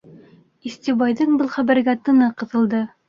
Истебайҙың был хәбәргә тыны ҡыҫылды.